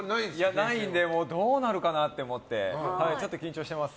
ないのでどうなるかなと思って緊張してます。